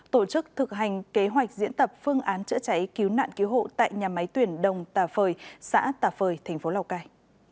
tổ chức thực hành kế hoạch diễn tập phương án chữa cháy cứu nạn cứu hộ tại nhà máy tuyển đồng tà phời xã tà phời thành phố lào cai